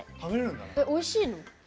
おいしいの？